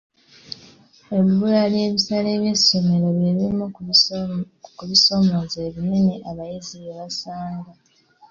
Ebbula ly'ebisale by'essomero by'ebimu ku bisomooza ebinene abayizi bye basanga.